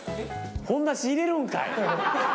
ほんだし入れるんかい！